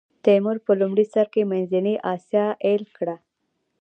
تیمور په لومړي سر کې منځنۍ اسیا ایل کړه.